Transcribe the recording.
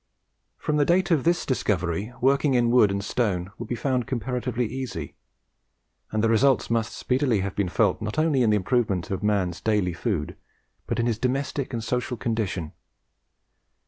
From the date of this discovery, working in wood and stone would be found comparatively easy; and the results must speedily have been felt not only in the improvement of man's daily food, but in his domestic and social condition.